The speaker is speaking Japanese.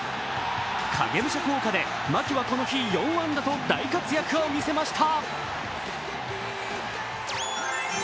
影武者効果で、牧はこの日、４安打と大活躍を見せました。